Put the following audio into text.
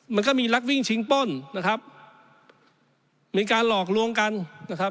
มันก็มีลักวิ่งชิงป้นนะครับมีการหลอกลวงกันนะครับ